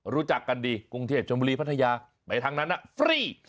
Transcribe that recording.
รู้จักกันดีกรุงเทพชมบุรีพัทยาไปทางนั้นฟรี